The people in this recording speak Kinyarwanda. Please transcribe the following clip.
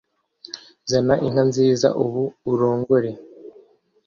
zana inka nziza ubu urongore